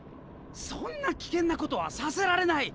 そんな危険なことはさせられない！